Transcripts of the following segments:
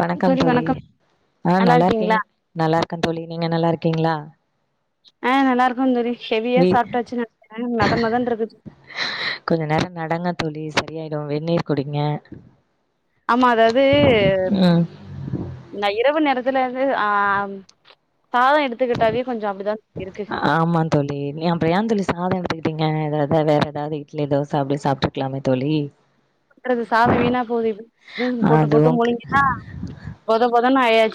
வணக்கம் தோழி ஆ நல்லா இருக்கேங் நல்லா இருக்கேன் தோழி நீங்க நல்லா இருக் கீங்களா ஆஹ் நல்லா இருக்கோந்தோழி ஹெவியா சாப்பிட்டாச்சு நெனக்கிற மத மதனு இருந்துச்சு கொஞ்ச நேரோ நடங்க தோழி சரியாயிடு வெந்நீர் குடிங்க ஆமா அதாவது ம் ந இரவு நேரத்துல இருந்து ஆஹ் சாதோ எடுத் ஆமாந் தோழி நீ அப்பறோ ஏன் தோழி சாதோ எடுத்துக்கிட்டீங்க வே வேற எதாவது இட்லி தோச அப்படி சாப்பிட்டுருக்கலாமே தோழி கொட்றது சாதோ வீணா போதே எப்படி கொட்றது போட்டு போட்டு அதுவு முழுங்கிதா பொத பொதன்னு ஆயாச்சு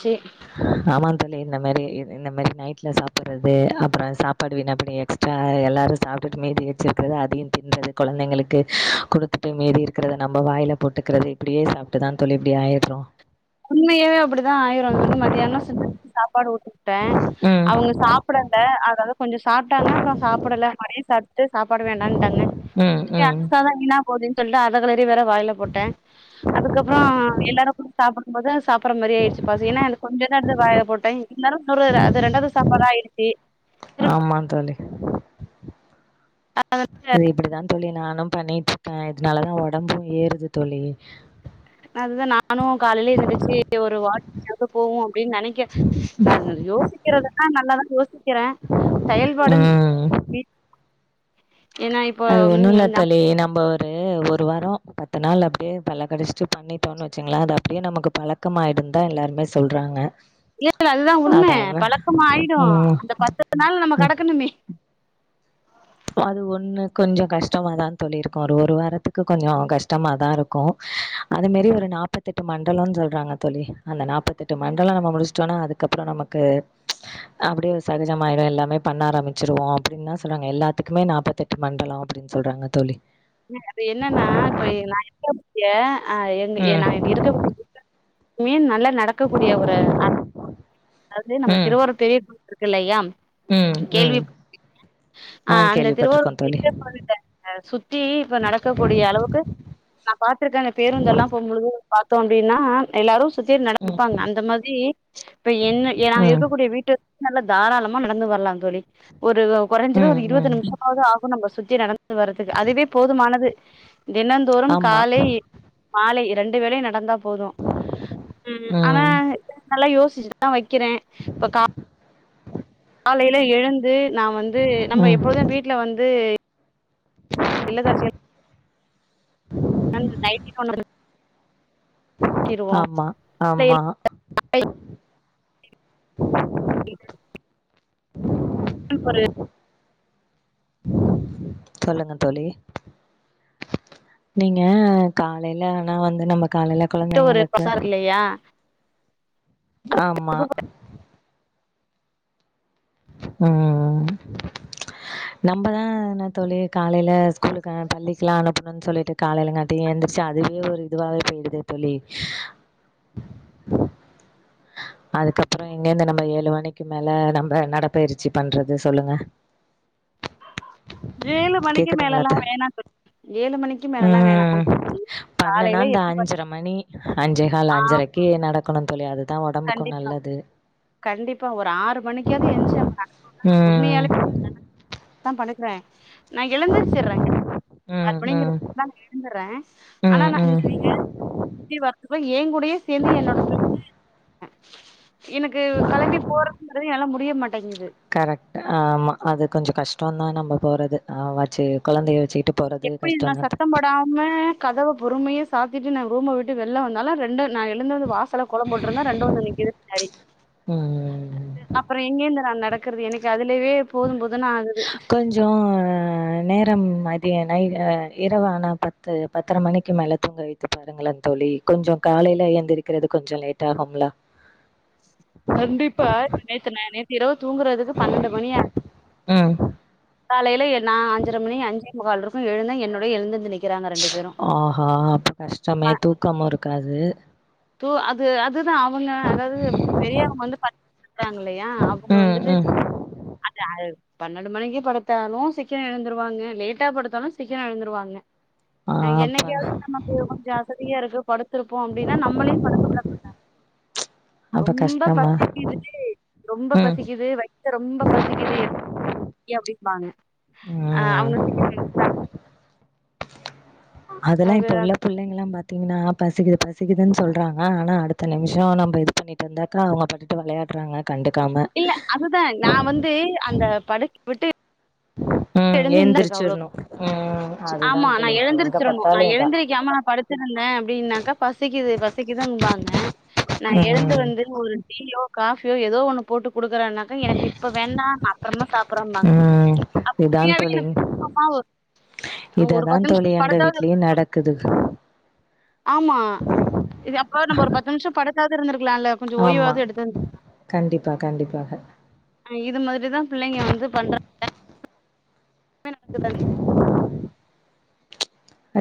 ஆமாந்தோழி இந்த மாரி இது இந்த மாரி நைட்ல சாப்பிடறது அப்புறோ சாப்பாடு வீணா அப்படி எக்ஸ்ட்ரா எல்லாரு சாப்பிட்டுட்டு மீதி வெச்சிருக்கிறத அதயு தின்றது கொழந்தைங்களுக்கு குடுத்துட்டு மீதி இருக்கிறத நம்ம வாய்ல போட்டுக்கிறது இப்படியே சாப்பிட்டுதான் தோழி இப்படி ஆயிடறோ உண்மயாவே அப்படிதா ஆயிறோ இங்கிருந்து மதியானோ செஞ்ச சாப் பாடு ஊட்டிவுட்டேன் ம் அவங்க சாப்படல அதால கொஞ்சோ சாப்பிட்டாங்க அப்பறோ சாப்பிடல மதியோ சாப் ஃபர்ஸ்ட்டே சாப்பாடு வேண்டான்ட்டாங்க ம் சேரி ம் அதுக்காக வீணா போடினு சொல்ட்டு அதகளே அப்படியே வேற வாயில போட்ட அதுக்கப்பறோ எல்லாரு சாப்பிடும்போது சாப் பற மாரி ஆயிடுச்சு பசி ஏனா எனக்கு கொஞ்சந்தா எடுத்து வாய்ல போட்டேன் இருந்தாலு இன்னூறு அது ரெண்டாவது சாப்பாடு ஆயிடுச்சு இருந் ஆமா தோழி இது இப்படித்தான் தோழி நானும் பண்ணிட்டு இருக்கேன் இதனாலதா ஒடம்பு ஏறுது தோழி அதுதா நானு காலைல எந்திருச்சு ஒரு வாக்கிங் ஆவது போவோ அப்டின் நெனைக்க நா யோசிக்கிறதல்லா நல்லாதா யோசிக்கற செயல்பாடு ம் மி அது ம் ஒண்ணுல்ல நம் தோழி நம்பொ ட்டு ஒரு வாரோ பத்து நாள் அப்டியே பல்ல கடிஷ்ட்டு பண்ணீட்டோன்னு வெச்சுங்ளே அது அப்டியே நமக்கு பழக்கம் ஆயிடுந்தா எல்லாருமே சொல்றாங்க இல்ல இல்ல அதுதா உண்ம அதான பழக்கமாயிடு ம் அந்த பத்து நாள் நம்ம ம் கடக்கணுமே அது ஒண்ணு கொஞ்சொ கஷ்டமாதாந்தோழி இருக்கு ஒரு ஒரு வாரத்துக்கு கொஞ்சோ கஷ்டமாதா இருக்கு அது மேரி ஒரு நாப்பத்தெட்டு மண்டலோன் சொல்றாங்க தோழி அந்த நாப்பத்தெட்டு மண்டலோ நம்ம முடிஷ்டோன்னா அதுக்கப்றோ நமக்கு ப்ச் அப்டியே ஒரு சகஜமாயிடு எல்லாமே பண்ண ஆரமிச்சிருவோ அப்டின்தா சொல்றாங்க எல்லாத் துக்குமே நாப்பத்தெட்டு மண்டலோ அப்டின் சொல்றாங்க தோழி அது ஆ எங்க ஏ ம். நா இங்க இருக்க கூடிய வீட்ல மேன் நல்ல நடக்கக்கூடிய ஒரு அ அதாவது நம்ம ம். திருவாரு பெரிய இருக்கில்லயா ம். ம். கேள்வி [inaudible] அ ஆ அந்த திருவாரூ கேள்விப்பட்டிருக்கோம் தோழி. [inaudible] சுத் த்தி இப்ப நடக்கக்கூடிய அளவுக்கு நா பாத்திருக்க அந்த பேருந்தெல்லா போம்பொழுது பாத்தோம் அப்டின்னா எல்லாரு சுத்தி ம். நடப்பாங்க அந்த மாதி இப்ப என்ன நா ம். இருக்கக்கூடிய வீட்ட நல்ல தாராளமா நடந்து வர்லாந் தோழி ஒரு கொரஞ்சது ம். ஒரு ம். இருவது நிம்ஷமாவது ஆ கு நம்ப சுத்தி நடந்து வரதுக் அதுவே போதுமானது தினந்தோறும் ஆமா. காலை மாலை எ ரெண்டு வேலையு நடந்தா போது ம் ஆனா நல்லா யோஸ் [inaudible] கிறேன் இப்ப கா லைல எழுந் து நா வந்து நம்ம ம். எப்போது வீட்ல வந்து இல்ல தரசி அந்த நைட்டின்னு ஒன்னு கட்டிருவோ ஆமா ஆமா [inaudible] சொல்லுங்க தோழி நீங்க காலைல ஆனா வந்து நமக் ட்ட ஒரு பசார் இல்லையா ஆமா உம் நம்மதா என்ன தோழி பிள்ளைகள ஸ்கூலுக்கா பள்ளிக்லா அனு ம்னு சொல்லிட்டு காலையிலங்காட்டி எழுந்திரிச்சு அதுவே ஒரு இதுவாவே போயிடுதே தோழி அதுக்கப்பறோ எங்கர்ந்து நம்ம ஏழு மணிக்கு மேல நம்ம நடப்பயிற்சி பண்றது சொல்லுங்க ஏழு மணிக்கு கேக்குதுங்களா மேலல்லா வேணா தோழி ஏழு மணிக்கு மேலல்லா வேணா உம் பண்ணனா காலையில இந்த எப்டி அஞ்சர மணி அஞ்சே கால் ஆ அஞ்சரைக்கு நடக்கணும் தோழ அது தா உடம்புக்கும் கண்டிப்பா நல்லது கண்டிப்பா ஒரு ஆறு மணிக்காது எந்ச்சு [inaudible] ம். உண்மையாலே [inaudible] படுக்குறே நா எழுந்துருச்சுட்றேங்க ஆறு ம், மணிங்கிற ம். தான் நா எழுந்துட்றே ஆனா ம் நா இந்த ம் எழுந்திருச்சு வர்றது குள்ளயே என் கூடயே சேந்து என்னோட பிள்ளைங்களு என் க்கு களம்பி போறதுன்ற எனக்கு முடிஞ் புரிய மாட் கரெக்ட் ஆமா அது கொஞ்ச கஷ்டந் தான் நம்ப போறது ஆமா செரி கொழந்தைய வச்சு எப்பிடி நா சத்தம் போடாம கதவு பொறுமையா சாத்திட்டு நா ரூம விட்டு வெள்ல வந்தாலும் ரெண்டு நா எழுந்து வந்து வாசல்ல கோலம் போட்டுருந்த ரெண்டு வந்து நிக்குது பின்னாடி ம் அப்பறோ எங்கேந்து நா நடக்குறது எனக்கு அ இதுவே போதும் போதுன் னு ஆகுது கொஞ்ச நேரம் ஆயி தேனைய இரவு ஆனா பத்து பத்தர மணிக்கு மேல தூங்க வைத்து பாருங்களேன் தோழி கொஞ்சம் காலையில எந்திருக்கிறது கொஞ்ச லேட் ஆகும்ல கண்டிப்பா நேத்து ந நேத்து இரவு தூங்குறதுக்கு பன்னெண்டு மணி ஆ ம் காலையில என் நா அஞ்சர மணி அஞ்சே முக்கால் இரு ப்ப எழுந்தா என்னோடயே எழுந்துந்து நிக் ஆஹா அப்ப கஷ்டமே தூக்கம் இருக்காது து அது அது அதுதா அவங்க அதாவது பெரியவங்க வந்து பாத்துக்கறாங்க இல்லையா அவங்க ம் வந்துட்டு ம் அ பன்னெண்டு மணிக்கு படுத்தாலு சீக்கர எழுந்துருவாங்க லேட்டா படுத்தாலும் சீக்கர எழுந்துருவாங்க ஆ அப்ப என்னைக்காவது நமக்கு கொஞ்ச அசதியாருக்கு படுக் இருப்போ அப்டீன் நம்மளையும் படுத்த கூடாதில்ல அப்ப ரொம்ப கஷ்டமா பசிக்கிருச்சி ரொம்ப ம் பசிக்குது வயத்த ரொம்ப பசிக்குது எ ஏ அப்படிம்பாங்க ஆஹ் அவங்க ம் சீக்கர படுதுட்டா அதெல்லாம் இப்ப உள்ள புள்ளைங்கெல்லாம் பாத் பாத்திங்கன்னா பசிக்குது பசிக்குதுன்னு சொல்றாங்க ஆனா அடுத்த நிமிஷம் நம்ம இது பண்ணிட்டு இருந்தாக்கா அவங்கபாட்டுக்கு விளையாடுறாங்க கண்டுக்காம. இல்ல அதுதான் நான் வந்து அந்த படுக்க விட்டு ம் எழுந்து இருக்க அவ்ளோ எழுந்திரிச்சிரணும். ம் ஆமா அதுதான் தோழி. நான் எங்க எழுந்திருச்சிடணும் பார்த்தாலும் நான் இதான். எழுந்திருக்காம நான் படுத்திருந்தேன் அப்டின்னாக்கா பசிக்குது பசிக்குதுபாங்க நான் எழுந்து ம். வந்து ஒரு டீயோ காஃபியோ ஏதோ ஒண்ணு போட்டு குடுக்குறேனாக்கா எனக்கு இப்ப வேணாம் அப்பறமா சாப்டடுறோம்பாங்க ம். இதான் தோழி ஒரு இதுதான் பத்து நிமிஷோ தோழி எங்க படுத்தாவது இரு வீட்லயும் நடக்குது ஆமா இது அப்ப நம்ம ஒரு பத்து நிமிஷோ படுத்தாவது இருந்திருக்கு இருக்கலாலெல்ல கொஞ்சம் ஆமா. ஓய்வாவது எடுத்திருந்துருந்கலாம் கண்டிப்பா, கண்டிப்பாக. இது மாரிதான் பிள்ளைங்க வந்து பண்றாங்க [inaudible]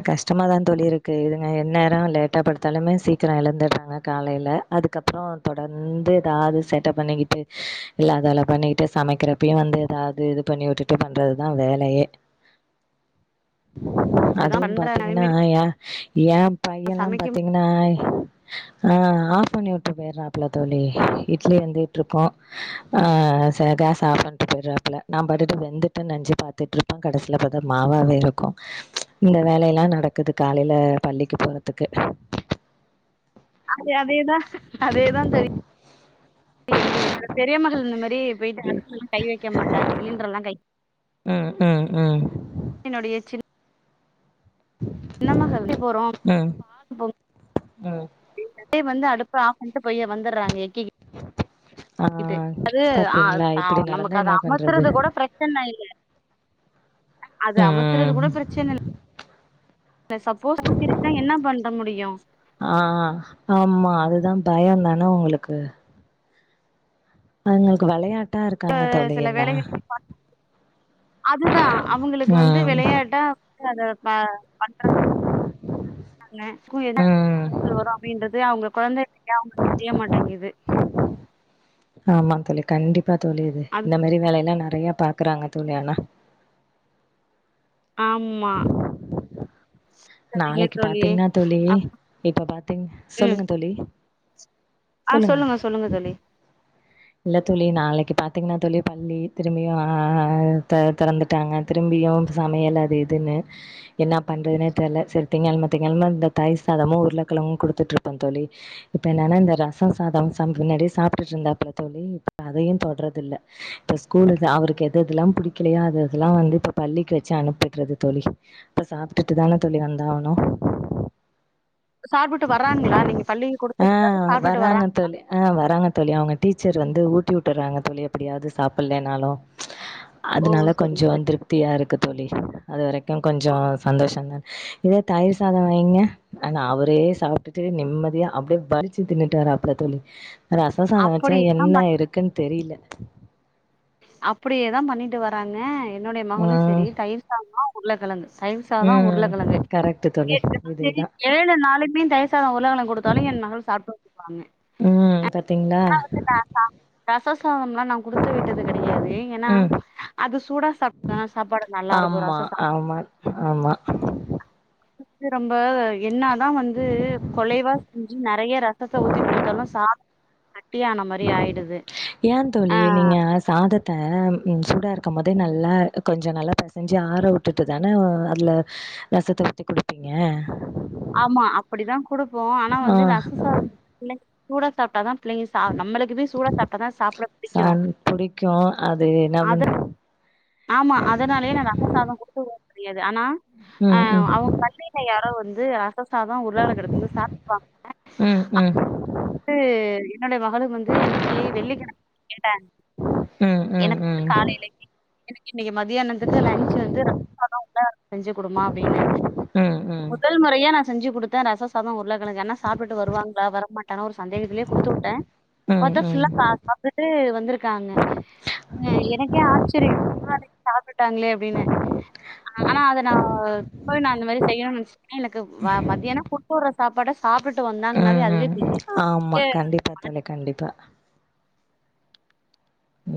கஷ்டமாதான் தோழி இருக்கு இதுங்க என்நேரம் லேட்டா படுத்தாலுமே சீக்கிரம் எழுந்துற்றாங்க காலேல அதுக்கப்பறம் தொடர்ந்து ஏதாவது சேட்ட பண்ணிக்கிட்டு இல்ல அதல பண்ணிக்கிட்டு சமைக்கிறப்பயும் வந்து ஏதாவது இது பண்ணி வுட்டுட்டு பண்றதுதான் வேலையே அப்படிதா அதுவும் பண்றாங்க அதே பாத்தீங்கன்னா மாரி ஏ ஏன் பையன்ல்லாம் சமைக்கு பாத்தீங்கன்னா ஆ ஆஃப் பண்ணி வுட்டு போயறாப்புல தோழி இட்லி வெந்துட்டு இருக்கும் ஆஹ் ச கேஸ ஆஃப் பண்ணிட்டு போயற்வாப்புல நான் பாட்டுட்டு வெந்துட்டு நெனச்சு பாத்துட்டு இருப்பே கடசில பாத்தா மாவாவே இருக்கும் ச் இந்த வேலேலா நடக்குது காலேல பள்ளிக்கு போறதுக்கு அதே அதேதான் அதேதான் தோழி எங்க வீட்ல பெரியமகள் இந்த மாரி போய்ட்டு அடுப்லேலாமா கை வைக்க மாட்டாங்க சிலிண்டரல்லாம் கை ம் ம் ம் என்னுடைய சின் ன மகள் வெளிய போறோம் ம், பாத்து ம். [inaudible] [unintelligible] வந்து அடுப்ப ஆஃப் பண்ட்டு போய் வந்தற்றாங்க ஆ இது அது ஆஹ் பாத்தீங்களா? ப இப்டி நடந்தா நமக்கு அத என்ன பண்றது? அமத்துறது கூட பிரச்சனை இல்ல அது அமத்துறது ம். கூட பிரச்சன இல் இல்ல சப்போஸ் ஊத்திருச்சுன்னா என்ன பண்ற முடியும் ஆ ஆ அதுதான் பயம்தான உங்களுக்கு அவுங்களுக்கு விளையாட் ட்டா இருக்காங்க தோழி எல்லாம் அதுதான் அவுங்களுக்கு வந்து விளையாட்டா அத ப பண்ற எனக்கு ம் [inaudible] வரும் அப்டின்றது [unintelligible] அவுங்க கொழந்தை [inaudible] அவுங்களுக்கு தெரிய மாட்டேங்குது ஆமாங் தோழி கண்டிப் பா தோழி இது அது இந்த மாரி வேலையல்லா நெறைய பாக்குறாங்க தோழி ஆனா ஆமா சரிங்க நாளைக்கு தோழி பாத்தீங்கன்னா தோழி அ இப்ப பாத்தீங்க சொல்லுங்க தோழி ஆஹ் சொல்லுங்க சொல்லுங்க தோழி இல்ல தோழி நாளைக்கு பாத்தீங்கன்னா தோழி பள்ளி திரும்பியும் ஆஹ் த தெறந்துட்டாங்க திரும்பியும் சமையல் அது இதுன்னு என்னா பண்றதுனே தெர்ல சரி திங்களம திங்களம இந்த தயிர் சாதமு உருளைக்கிழங்கு குடுத்துட்டு இருப்போம் தோழி இப்ப என்னன்னா இந்த ரசம் சாதம் சம் முன்னாடியே சாப்டுட்டு இருந்தாப்ள தோழி இப்ப அதையும் தொடறதுல்ல இப்ப ஸ்கூல் அவருக்கு எது எதுல்லாம் புடிக்கலையோ அது அதெல்லாம் வந்து இப்ப பள்ளிக்கு வச்சு அனுப்பிட்றது தோழி இப்ப சாப்டிட்டு தான தோழி வந்தாவணும் சாப்டுட்டு வராங்களா நீங்க பள்ளிக்கு ஆ குடுத்து [inaudible] சாப்டுட்டு வராங்க வராங்களா தோழி ஆ வராங்க தோழி [unintelligible] வந்து ஊட்டி விட்டறாங்க தோழி எப்டியாவது சாப்பில்லேனாலும் ஓ அதுனால சரி கொஞ்சோ சரி திருப்தியா இருக்கு தோழி அது வரைக்கும் கொஞ்சோ சந்தோஷம்தான் இதே தயிர் சாதோ வைங்க ஆனா அவரே சாப்டுட்டு நிம்மதியா அப்டியே வலிச்சு தின்னுட்டு வராப்ள தோழி ரசோ சாதோ சா அப்படியேதா என்ன இருக்குன்னு தெரில அப்டியேதான் பண்ணிட்டு வராங்க என்னுடைய மகளும் சரி ம் உருளகெலங்கு தைர்சாதம் ம் உருளக்கிழங்கு கரெக்ட்டு தோழி [unintelligible] இதேதா ஏழு நாளுமே தயசாதம் உருளைக்கெழங்கு கொடுத்தாலும் என் மகள் சாப்ட்டு வந்துருவாங்க ம் பாத்தீங்களா [unintelligible] [unintelligible] விட்டது கடையாது ஏன்னா ம் அது சூடா சாப்ட்டா சாப்பாடு நல்லா இருக்கும் ஆமா ரச சாத ஆமா ஆமா [unintelligible] நம்ப என்னாதான் வந்து கொலைவா செஞ்சு நறைய ரசத்த ஊத்தி கொடுத்தாலும் சாத ஏன் தோழி ஆ நீங்க சாதத்த சூடாக இருக்கோ போதே நல்லா கொஞ்சோ நல்லா பெசஞ்சு ஆற விட்டுட்டு தானே அதுல ரசத்த ஊத்தி குடுப்பீங்க ஆமா அப்டித்தான் கொடுப்போம் ஆனா ஆ வந்து ரச சாத சூடா சாப்ட்டாதான் இல்லைங்க சா நம்மளுக்குமே சூட சாப்டாதா சாப்ட பிடிக்கும் என்னாம அத தெரியாது ஆனா ஆ ம், ம். அவுங்க பள்ளில யாரோ வந்து அது ம், ம். அ [unintelligible] என்னுடைய மகளும் வந்து என்னைக்கு வெள்ளிக்கிழமை கேட்ட ம், ம், எனக்கு வந்து ம். காலைல [unintelligible] இன்னைக்கு மதியானத்துக்கு லன்ச் வந்து ரச சாதம் உளகெழங்கு செஞ்சு கொடுமா அப்டின்னே ம், ம். முதல் முறையா நான் செஞ்சி கொடுத்தன் ரச சாதம் உருரல அவுங்களுக்கு என்ன சாப்பிட்டு வருவாங்களா வர மாட்டாங்கனு ஒரு சந்தேகத்திலயே குடுத்து வுட்டேன் ம், பாத்தா ம். சாப்டுட்டு வந்திருக்காங்க. ஏ எனக்கே ஆச்சரியம் [unintelligible] சாப்டுட்டாங்களே அப்டின்னு ஆனா அத நான் போய் நான் இந்த மாரி செய்யணும்னு [unintelligible] எனக்கு மத்தியானம் குடுதாது சாப்பட ஹ ஹ ம் ஆமா கண்டிப்பா தோழி கண்டிப்பா.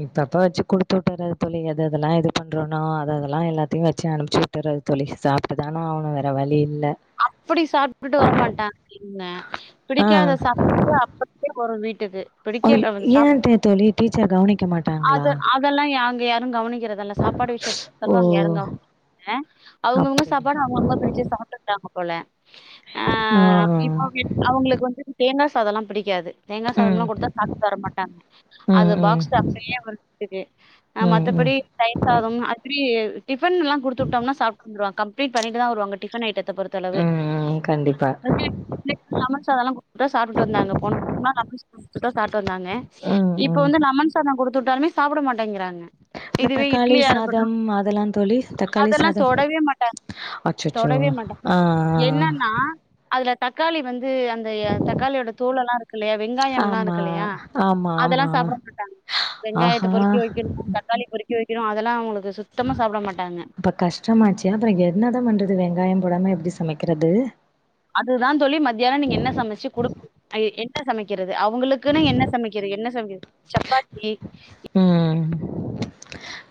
இப்பப்ப வச்சு குடுத்து விட்டுறேன் தோழி- எது எதெல்லாம் இது பண்றோனோ அது அதெல்லாம் எல்லாத்தையும் வச்சு அனுப்பிச்சு விட்டுறன் தோழி, சாப்ட்டுதானா ஆவனும் வேற வழி இல்ல. அப்படி சாப்பிட்டுட்டு வரமாட்டாங்க இங்க பிடிக்காத ஆ. சாப்பிட்டு அப்படியே வரும் வீட் [unintelligible] ஏன் தோழி டீச்சர் கவனிக்க மாட்டாங்களா? அது அதெல்லாம் அங்க யாரும் கவனி க்கிறதல சாப்பாடு விஷயத்த ஓ தவர் அங்க யாரோ கவனிக் றதல அவுங்க அவுங்க அப்டிங்களா சாப்பாட்டு அவுங்க அவுங்க பிரிச்சு சாப்த்து [unintelligible] போல ஆ ஆஹ் ஆ. இப்ப அவங்களுக்கு வந்து தேங்கா அதெல்லாம் பிடிக்காது தேங்காய் ம் சாதம்லாம் கொடுத்தா சாப்பிட்டு வர மாட்டாங்க, அது ம் ம் பாக்ஸ் அப்படியே வந்துக்கு, ம் ம் மற்றபடி தயிர் சாதம் அப்படி டிஃபன்லாம் குடுத்துவிட்டம்னா சாப்ட்டு வந்துருவாங்க. கம்ப்ளிட் பண்ணிட்டுதான் வருவாங்க டிஃபண் ஐட்டத் த பொறுத்த அளவு ம் ம் கண்டிப்பா [unintelligible] லெமன் சாதம் குடுத்துட்டா சாப்பிட்டு வந்தாங்க போன [unintelligible] லெமன் சாதம் குடுத்து விட்டா சாப்பிட்டு வந்தாங்க ம் இப்ப ம் வந்து லெமன் சாதம் கொடுத் து விட்டாலமே சாப்பிட மாட்டேங்கிறாங் இந்த தக்காளி சாதம் அதெல்லாம் தோழி தக்காளி அதெல்லாம் சாதம் தொடவே மாட்டாங்க. அச்சச்சோ தொடவே மாட்டாங்க. ஆ ஆ ஆ. என்னன்னா அதுல தக்காளி வந்து அந்த தக்காளியோட தோல் எல்லாம் இருக்கு இல்லையா வெங்காயம்லா ஆமா இருக்கு இல்லையா ஆமா ஆமா அதெல்லாம் சாப்பிட மாட்டாங்க வெங்காயத்தை ஆஹா பொறிக்கி வைக்கணும் தக்காளி பொறுக்கி பொறுக்கி வைக்கணும் அதெல்லாம் அவங்களுக்கு அப்ப கஷ்டமாச்சு அப்புறம் என்னதான் பண்றது வெங்காயம் போடாம எப்டி சமைக்கிறது? அதுதான் தோழி மத்தியானம் நீங்க என்ன சமைச்சு குடு என்ன சமைக்க து அவங்களுக்குன்னு என்ன சமைக்க கற என்ன சமைக்கிறது சப்பாத்தி உஹ்ம்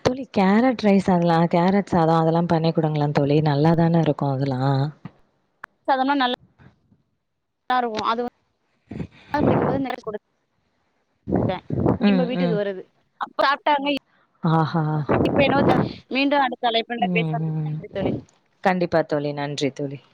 தோழி கேரட் ரைஸ் அதெல்லாம் கேரட்ஸ் சாதம் அதெல்லாம் பண்ணி கொடுங்களாம் தோழி நல்லாதானே இருக்கும் அதெல்லாம்? [unintelligible] தருவோம் அது பிடிக்கும்போது நேர கொடு தே திரும்ப வீட்டுக்கு வருது சாப்டாங்க இ ஆஹஹா மீண்டு அடுத்த அழைப்புல உம் பேசலா உம் நன்றி தோழி கண்டிப்பா தோழி நன்றி தோழி [inaudible]